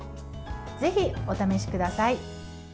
ぜひお試しください。